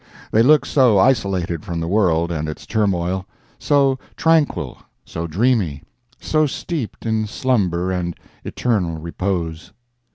They look so isolated from the world and its turmoil—so tranquil, so dreamy, so steeped in slumber and eternal repose.